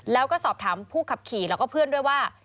แล้วก็สอบถามผู้ขับขี่แล้วก็เพื่อนด้วยว่า